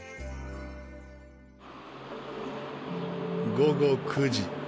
午後９時。